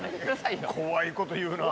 怖いこと言うなぁ。